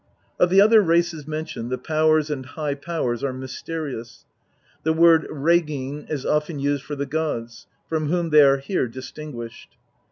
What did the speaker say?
Of the other races mentioned, the Powers and High Powers are mysterious ; the word " regin " is often used for the gods, from whom they are here distinguished.